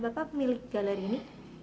bapak milik galeri ini